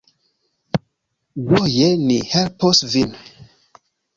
Ĝoje ni helpos vin.